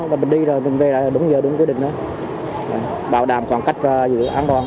và mình đi rồi mình về lại là đúng giờ đúng quyết định đó bảo đảm còn cách giữ an toàn